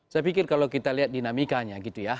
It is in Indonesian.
saya pikir kalau kita lihat dinamikanya gitu ya